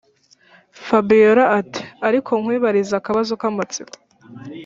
fabiora ati”ariko nkwibarize akabazo kamatsiko